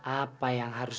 apa yang harus